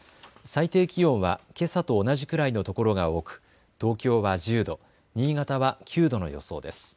最低気温はけさと同じくらいの所が多く東京は１０度、新潟は９度の予想です。